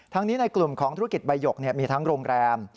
นี้ในกลุ่มของธุรกิจใบหยกมีทั้งโรงแรม